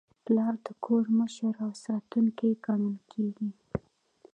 پلار د کور مشر او ساتونکی ګڼل کېږي.